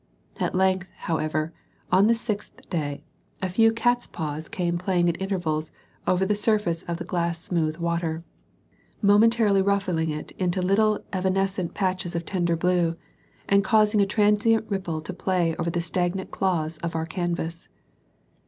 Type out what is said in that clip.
At length, however, on the sixth day, a few cat's paws came playing at intervals over the surface of the glass smooth water, momentarily ruffling it into little evanescent patches of tender blue, and causing a transient ripple to play over the stagnant cloths of our canvas.